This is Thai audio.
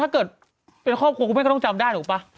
ถ้าเกิดเป็นครอบครัวคุณแม่ก็ต้องจำได้ถูกป่ะ